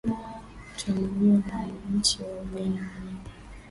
utaamuliwa na wananchi wa uganda wenyewe